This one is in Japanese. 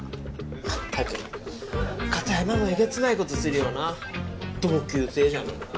まったく片山もえげつない事するよな同級生じゃのに。